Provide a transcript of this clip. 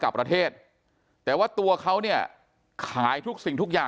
กลุ่มตัวเชียงใหม่